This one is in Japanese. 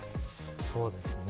そうですね。